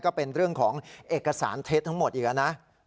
ก็เป็นเรื่องของเอกสารเท็จทั้งหมดอีกนะ